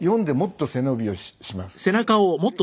４でもっと背伸びをします。